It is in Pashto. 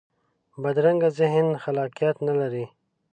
بدرنګه ذهن خلاقیت نه لري